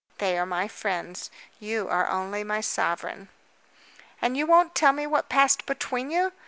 They are my friends. You are only my sovereign." "And you won't tell me what passed between you?"